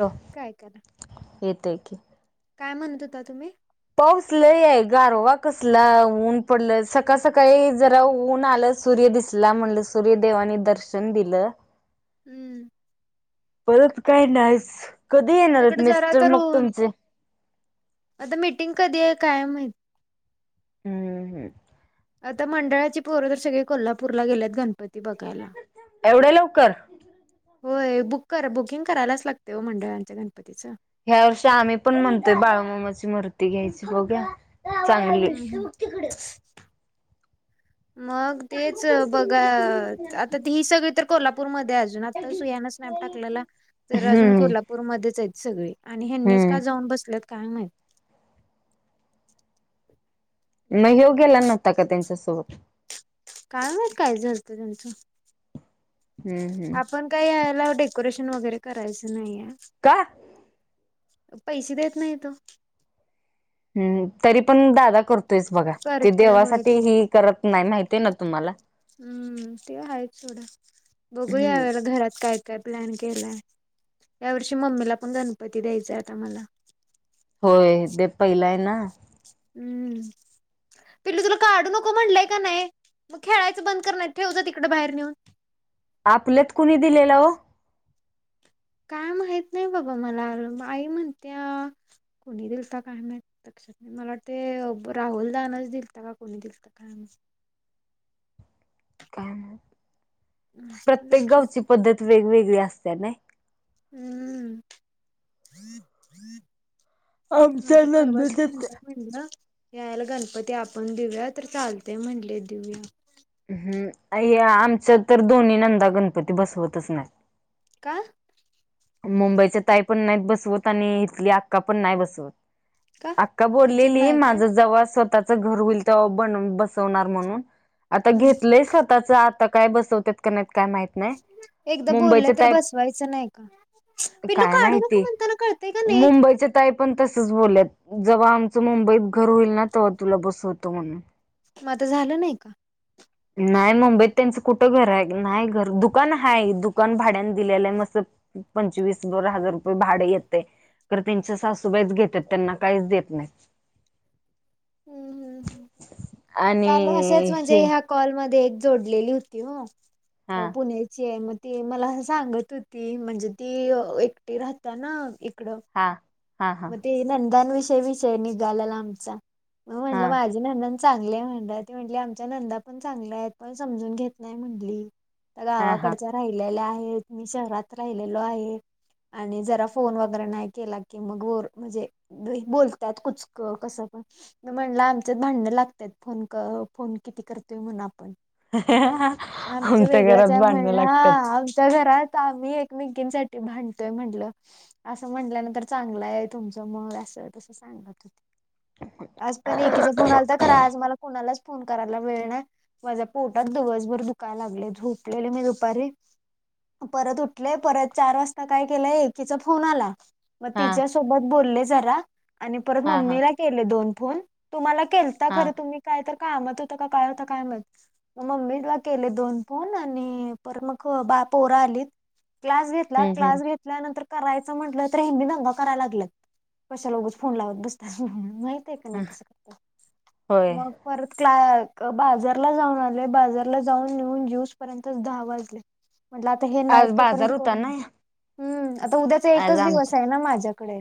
Hello काय करा? येतोय की काय म्हणत होता तुम्ही? पाऊस लय आहे गारवा कसला ऊन पडलं सकाळ सकाळी जरा ऊन आलं सूर्य दिसला म्हणलं सूर्यदेवानी दर्शन दिलं. हम्म परत काय नाहीस कधी येणारयेत तिकडे जरा मिस्टर तर मग ऊन तुमचे? आता मीटिंग कधी ए काय माहित? हम्मम. हं. आता मंडळाची पोरं तर सगळे कोल्हापूरला गेलेत. गणपती बघायला. एवढ्या लवकर? होय. बुक कर बुकिंग करायलाच लागतय हो मंडळांच्या गणपतीचं. ह्या वर्षी आम्ही पण म्हणतोय बाळूमामाची मूर्ती घ्यायची बघूया. चांगली हम्म हम्म. ए. मग तेच बघा -आता ती सगळी तर कोल्हापूरमध्ये अजून- तर सुयानं स्नॅप टाकलेला. तर अजून हम्म कोल्हापूरमध्येच आहेत सगळे आणि ह्यांनीच हम्म का जाऊन बसलेत काय माहित? म ह्यो गेला नव्हता का त्यांच्यासोबत? काय माहित काय झालत त्यांचं? हम्म. हम्म. पण काही ह्याला डेकोरेशन वगैरे करायचं नाहीए. का? पैसे देत नाहीए तो. हम्. तरी पण दादा करतोयस बघा. ते करतय होय देवासाठी ते ही करत नाही माहिती आहे ना तुम्हाला? हम्म. ते आहे थोडं. बघू हम्म यावेळेला घरात काय- काय प्लॅन केलाय? यावर्षी मम्मीला पण गणपती द्यायचाय आता मला. होय. ते पहिला आहे ना? अं. पिल्लू तुला काढू नको म्हटलंय का नाही? मग खेळायचं बंद कर नाही त ठेव जा तिकडं बाहेर नेऊन. आपल्यात कुणी दिलेला हो? काय माहीत नाही बघा मला. आई म्हणतेया कोणी दिलता काय माहीत? लक्षात नाही. मला वाटते राहुल दानच दिलत का कोणी दिलता? काय माहीत? काय माहीत? माझ्या पण प्रत्येक लक्षात गावची नाही. पद्धत वेगवेगळी असतेया नाही. अं. आम ह्यांना [unintelligible] म्हणलं यावेळेला गणपती आपण देऊया तर चालतय म्हणले देऊया. हम्म. आणि आमच तर दोन्ही नणदा गणपती बसवतच नाही. काय? मुंबईच्या ताई पण नाहीत बसवत. आणि इथली अक्का पण नाही बसवत. का अक्का त्यांच्यात बोललेली नाही काय माझं जव्हा स्वतःच घर होईल- तवा बनुन बसवणार म्हणून. आता हम्म घेतलय स्व - -ताच आता काय बसवत्यात का नाही? काय माहित नाही. मुंबईच्या ताई- ताईच नाही का? पिल्लू काढू नको माहिती म्हणताना कळतय का नाही? मुंबईच्या ताई पण तसच बोलल्यात. जेव्हा आमचं मुंबईत घर होईल ना? तेव्हा तुला बसवतो म्हणून. म आता झालं नाही का? नाही मुंबईत त्यांचं कुठं घर आहे? नाही घर दुकान हाय. दुकान भाड्याने दिलेलं आहे मस्- पंचवीस बोरा हजार रुपये भाड येतय. तर त्यांच्या सासूबाईच घेतात. त्यांना काहीच देत नाही. हं. हं. हं. काल असंच आणि म्हणजे हे ह्या- कॉल मध्ये एक जोडलेली होती हो. हा पुण्याची ए म- ती मला असं सांगत होती. म्हणजे ती एकटी राहतेया ना इकडं? हा. हा हा मग ते नंदांविषयी, विषय निघालाला आमचा. मग हा म्हणलं माझ ननंद चांगलिय म्हणलं. त म्हणली आमच्या नंदा पण चांगल्यायत. पण, समजून घेत नाही म्हणली. हा हा गावाकडच्या राहिल्या आहेत. मी शहरात राहिलेलो आहे. आणि जरा फोन वगैरे नाही केला की क मग वर म्हणजे, बोलतात. कुचक, कसं पण. म म्हणला आमच्यात भांडण लागतात. फोन क फोन किती, करतोय म्हण आपण. आमचं आमच्या घरात वेगळंचय भांडणं म्हण. हा, लागतात आमच्या घरात आम्ही एकमेकींसाठी भांडतोय म्हंणलं. असं म्हणल्यानंतर चांगलंय तुमचं मग. असं - तसं, सांगत होती. आज पण, एकीचा फोन आलता खरा. आज मला कोणालाच फोन करायला वेळ नाय. माझ्या पोटात, दिवसभर दुखायला लागलय. झोपलेले मी दुपारी. परत उठलेय. परत चार वाजता, काय केलंय. एकीचा फोन आला मग हा तिच्यासोबत बोलले जरा. आणि परत, हा हा मम्मीला केले दोन फोन. तुम्हाला केल आता हा खरं तुम्ही काय, तर कामात होतं का, काय होता? काय माहित. मग मम्मीत बा केले दोन फोन. आणि पर मग बा पोर आलीत. क्लास घेत ला. हम्म क्लास हम्म घेतल्यानंतर करायचं, म्हटलं तर हेनी दंगा कराय लागल्यात. कशाला ऊगच फोन लावत बसत्यास म्हणून. हाय का नाही कसं. होय मग. परत क्ला - बाजारला जाऊन आलेय. बाजारला जाऊन नेऊन, ज्यूस त्याचंच दहा वाजले. म्हटल आता हे नाही, आज तोपर्यंत बाजार होता करून ना हम्म. आता उद्याचा आज एकच दिवस आमचं आहे ना, माझ्याकडे.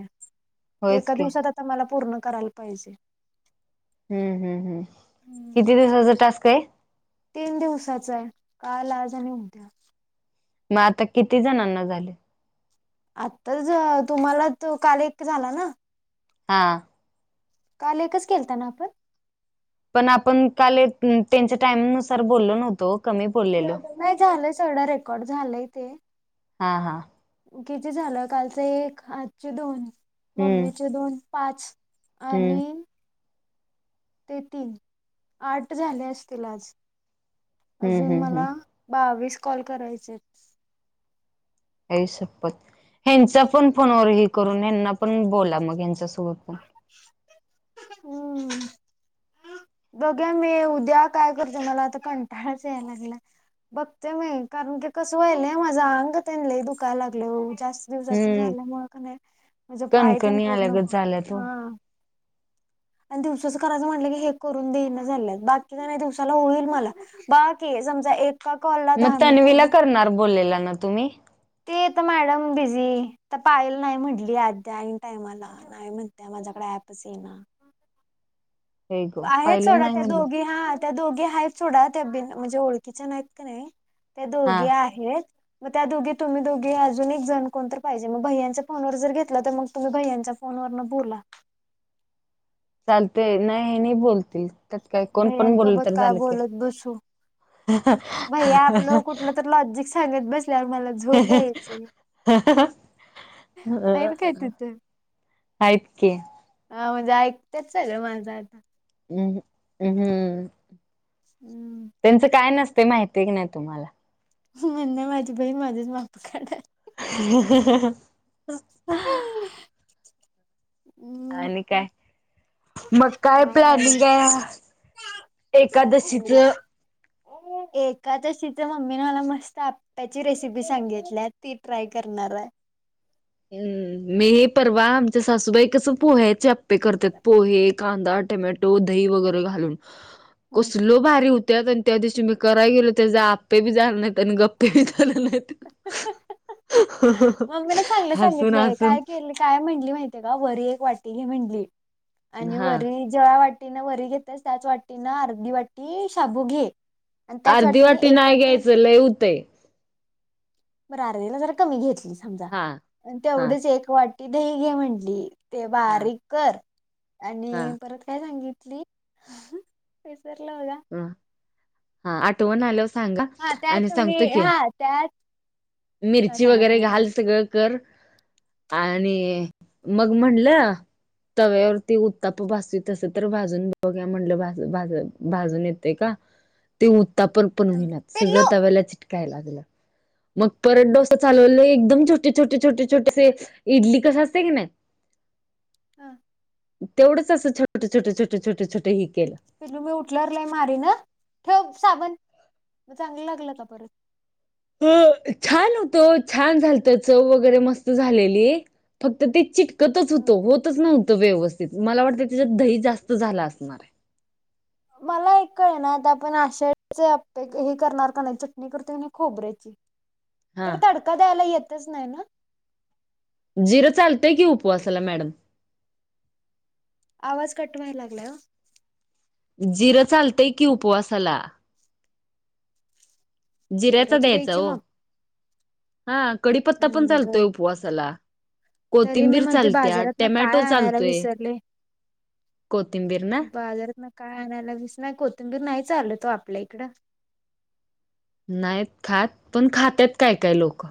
ते होयच एका की दिवसात आ ता मला पूर्ण करायला पाहिजे. हम्म, हम्म, हम्. किती दिवसाचा टास्कय? तीन दिवसाचाय. काल, आज आणि उद्या. मग आता, किती जणांना झाले? आत्ता झ तुम्हाला, त काल एक झाला ना? हा. काल, एकच केलताना आपण? पण आपण काल, त्यांच्या टायमिंग नुसार बोललो नव्हतो. कमी बोललेलो. नाही झालंय, सगढं रेकॉर्ड झालंय ते. हा, हा. किती झालं? कालचं एक, आजचे दोन, हम्म मम्मीचे दोन, पाच. हम्म आणि ते तीन. आठ झाले असतील आज. हम्म अजून हम्म हम्म मला बावीस कॉल करायचेत. आई शपत! ह्यांच्या पण फोनवर हे करून, ह्याना पण बोला मग. ह्यांच्या सोबत पण. हम्म. बघ्या, मी उद्या काय करते? मला आता कंटाळाच याय लागला. बघते मी. कारण की, कसं व्हायलय. माझं अंग त्यां दुखायला लागलय ओ जास्त. [unintelligible] हम्म झाल्यामुळं का नाही. म्हणजे पाय त्यां कणकणी पूर्ण. आल्यागत झाल्यात ओ हा. अन् दिवसाचं करायचं म्हटलं की, हे करून देईना झाल्यात. बाकीच नाही दिवसाला होईल मला. बाकी, समजा एक मग तन्वीला करणार बोललेला ना, तुम्ही? ते तर मॅडम बिझी. तर पायल नाही म्हटली, आध्या- आईन टाइमाला. नाही म्हणत्याय, माझ्याकडे ऍपच येईना. होय ग आहेत पाहिलं सोडा नाही त्या म्हणले दोघी हा. त्या दोघी आहेत सोडा, त्या बि म्हणजे ओळखीच्या नाहीत का नाही त्या हा दोघी आहेत. मग त्या दोघी तुम्ही दोघी अजून एक जण कोण तर पाहिजे मग भैय्यांच्या फोनवर जर घेतला तर मग तुम्ही भैयांचा फोन वरन बोला. चालतय, नाही ह्यांनी बोलतील. त्यात काय? कोण पण बोलल भैयांसोबत तर काय झालं की. बोलत बसू भैया आपलं कुठलं तर लॉजिक सांगत बसल्यावर मला ह झोप ह यायची हा हा. आहेत काय घरात? तिथं हयात की. हा, म्हणजे ऐकतात सगळं माझं आ हम् हम् हम् हम्म त्यांचं काय नसत माहिती क नाही तुम्हाला? म्हण नाही माझी बहीण माझीच माप काढाय. ह ह हा ह. आणि काय? मग काय प्लॅनिंग आहे? कशाच एकादशीचं? एकादशीच मम्मीने मला मस्त आप त्याची रेसिपी सांगितल्यात ती ट्राय करणार आहे. हम्म, मी परवा आमच्या सासूबाई कस पोह्याचे आप्पे करतात पोहे, कांदा, टोमॅटो दूध, दही वगैरे घालून. [unintelligible] कसल भारी होत्यात! आणि त्या दिवशी मी कराय गेलो, त्या आप्पेबी झाले नाहीत आणि गप्पे ते झाले नाही त. ते सांगितलय, काय केलं? काय म्हणली माहितीय आहे का? वरी एक वाटी घे म्हटली आणि हा वरी ज्या वाटीनं वरी घेतेस, त्याच वाटीनं अर्धी वाटी शाबू घे. आणि त्याच अर्धी वाटीने एक नाही वाटी? घ्यायचं लय होतय. बरं जरा अर्ध्याला कमी घेतली समजा, हा हा तेवढीच एक वाटी दही घे म्हटली. ते हा बारीक कर हा आणि परत काय सांगितली? विसरला मला. ह हा आठवण आल्याव सांगा हा आणि त्यात मी सांगतो कि, हा त्यात हा मिरची सांगा वगैरे सांगा घाल तुमचं. सगळं कर, आणि मग म्हणलं? तव्यावरती उत्तापा भाजती तसं तर भाजून बघूया म्हटलं भाजल भाजल. भाजून येते का? ते उत्तापा पण अ. होईना पिल्लू सगळं तव्याला चिटकायला लागलं. मग परत डोसा चालवले एकदम छोटे, छोटे, छोटे, छोटेसे इडली कसे असते की नाही? हा. तेवढंच असं छोट, छोट, छोट, छोट, छोटं ही केलं. पिल्लू मी उठल्यावर लय मारीन अ? ठेव साबण. चांगलं लागलं का परत? अ छान होतो हो छान झालत चव वगैरे मस्त झालेली. फक्त ते चीट कतच होत, होतच नव्हतं व्यवस्थित मला वाटतं त्याच्यात दही जास्त झाल असणार आहे. मला एक कळना? आता आपण आषाढच आप्प हे करणार का नाही चट चटणी करतो आम्ही खोबऱ्याची, त्याला हां, तडका द्यायला येतच नाही ना? जिरं चालतंय की, उपवासाला मॅडम. आवाज कट व्हाय लागलाय ओ. जिरं चालतय की उपवासाला जिऱ्याचा जिराची द्यायचा द्यायची ओ, मग हा. कडीपत्ता पण हम्म चालतोय उप वासाला तरी मी कोथिंबीर म्हणते चालत्या, बाजारातन टॅमॅटो काय आणायला चालतोय. विसरले. कोथिंबीर ना? बाजारातन काय आणायला विस नाही कोथिंबीर नाही ना चालत ओ आपल्या इकडं. नाहीत खात, पण खात्यात काय काय लोक.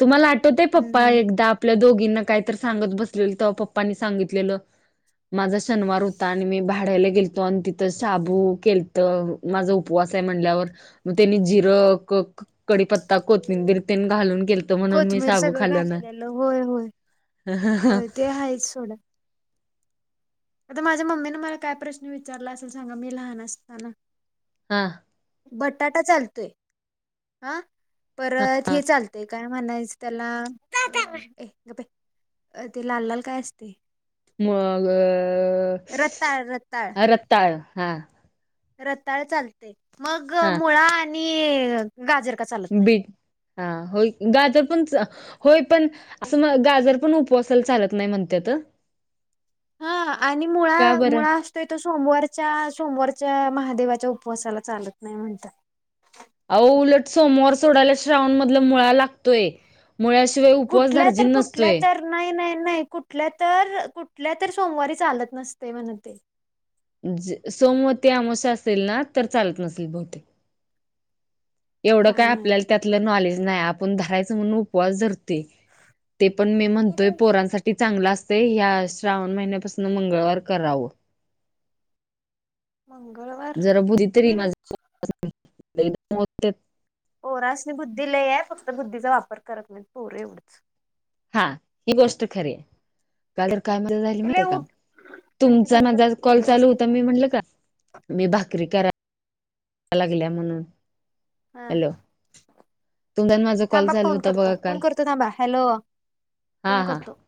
तुम्हाला आठवतय पप्पा हम्म एकदा आपल्या दोघींना कायतरी सांगत बसलेलं, तवा पप्पानी सांगितलेलं. माझा शनिवार होता आणि मी भाड्याला गेलतो आणि तिथं शाबू केलत माझा उपवास हाय म्हणल्यावर, मग त्यांनी जिर कक कडीपत्ता, कोथिंबीर तेन घालून केलत म्हणून मी कोथमिर शाबू सगळं खाल्लं नाही घातल्यालं, होय होय होय ते हायच सोडा. आता माझ्या मम्मीने मला काय प्रश्न विचारला असेल सांगा मी लहान असताना? हां. बटाटा चालतोय, हा हा परत हे चाल तय ते काय म्हणायचं त्याला, ते लाल लाल काय असतय? मग रताळ रताळ अ रताळ हा. रताळ चालतय, मग हा मुळा आणि गाजर का चालत नाही बीट हा होय, गाजर पण होय पण आसं मग, गाजर पण उपवासाला चालत नाही म्हणत्यात. हा आणि मुळा का बरं मुळा आस ते तर सोमवारच्या सोमवारच्या महादेवाच्या उपवासाला चालत नाही म्हणतात. आओ उलट सोमवार सोडायला श्रावण मधलं मुळा लागतोय. मुळ्याशिवाय उपवास कुठल्या तर धार्जिन कुठल्या नसतोय. तर नाही नाही नाही कुठल्या तर, कुठल्या तर सोमवारी चालत नसतय म्हण ते. सोमवती अमावस्या असेल ना, तर चालत नसेल बहुतेक. एवढं काय आपल्याला त्यातलं नॉलेज न्हाय, आपण धरायचं म्हणून उपवास धरतो. ते, पण मी म्हणतोय माहित पोरांसाठी ते चांगल असतय, ह्या श्रावण महिन्यापासून मंगळवार करावं. मंगळवार जरा बुधी तरी हम्म माझ [unintelligible] पोरास नी बुद्धी लई हाय, फक्त बुद्धीचा वापर करत नाही पोरं एवढंच. हा. ही गोष्ट खरी हाय. काल तर काय म्हणू राहिली ए माहिती लय ये का? उठ खिडकी तुमचा बंद कर माझा कॉल थंडी चालू वाजते होता, मी म्हंटलं का मी भाकरी कराय लागल्या म्हणून हा. हॅलो तुमचा आणि माझा कॉल थांबा चालू फोन होता करतो. बघा फोन काल करतो थांबा. हॅलो, हा फोन हा. करतो.